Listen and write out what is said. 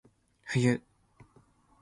冬